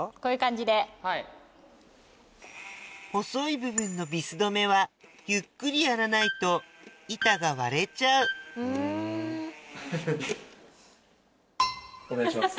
細い部分のビス止めはゆっくりやらないと板が割れちゃうお願いします。